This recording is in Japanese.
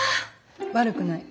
悪くない。